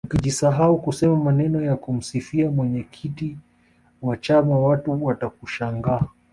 ukijisahau kusema maneno ya kumsifia mwenyekiti wa chama watu watakushangaa